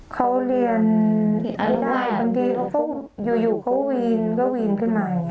เขาเรียนไม่ได้บางทีเขาก็อยู่เขาวีนก็วีนขึ้นมาอย่างนี้